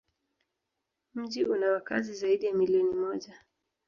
Mji una wakazi zaidi ya milioni moja.